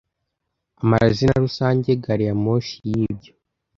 Amazina rusange - Gari ya moshi y'ibyo